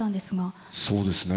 そうですね。